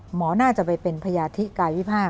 หมอน่าจะไปเป็นพยาธิกายวิภาค